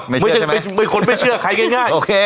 ไม่เชื่อใช่ไหมไม่คนไม่เชื่อใครง่ายง่ายโอเค